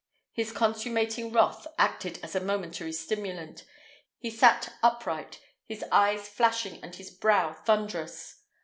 His consummating wrath acted as a momentary stimulant. He sat upright, his eyes flashing and his brow thunderous.